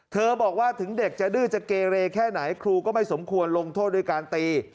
บอกว่าถึงเด็กจะดื้อจะเกเรแค่ไหนครูก็ไม่สมควรลงโทษด้วยการตี